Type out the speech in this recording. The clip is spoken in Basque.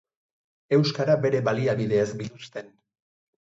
Euskara bere baliabideez biluzten.